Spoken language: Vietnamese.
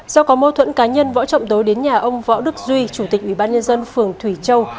do có mâu thuẫn cá nhân võ trọng tối đến nhà ông võ đức duy chủ tịch ủy ban nhân dân phường thủy châu